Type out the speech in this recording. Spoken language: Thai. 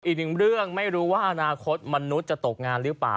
อีกหนึ่งเรื่องไม่รู้ว่าอนาคตมนุษย์จะตกงานหรือเปล่า